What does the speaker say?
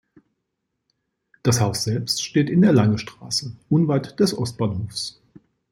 Das Haus selbst steht in der Lange Straße unweit des Ostbahnhofs.